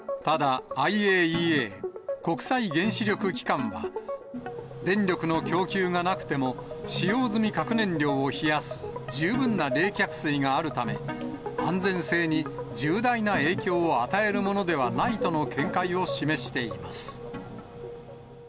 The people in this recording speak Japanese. ただ、ＩＡＥＡ・国際原子力機関は電力の供給がなくても、使用済み核燃料を冷やす十分な冷却水があるため、安全性に重大な影響を与えるものではないとの見解を示しています。